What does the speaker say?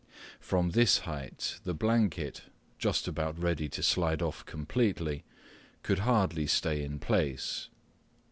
From this height the blanket, just about ready to slide off completely, could hardly stay in place.